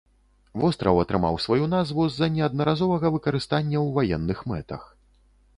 Востраў атрымаў сваю назву з-за неаднаразовага выкарыстання ў ваенных мэтах.